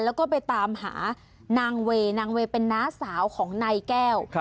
แล้วก็ไปตามหานางเวนางเวย์เป็นน้าสาวของนายแก้ว